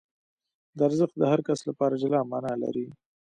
دا ارزښت د هر کس لپاره جلا مانا لرلای شي.